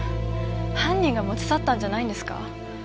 犯人が持ち去ったんじゃないんですか？